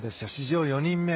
史上４人目。